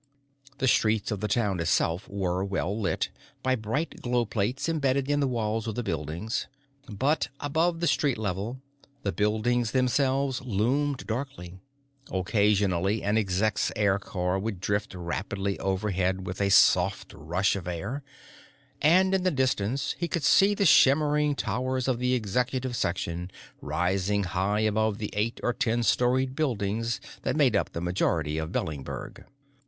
The streets of the town itself were well lit by bright glow plates imbedded in the walls of the buildings, but above the street level, the buildings themselves loomed darkly. Occasionally, an Exec's aircar would drift rapidly overhead with a soft rush of air, and, in the distance, he could see the shimmering towers of the Executive section rising high above the eight or ten storyed buildings that made up the majority of Bellinberg.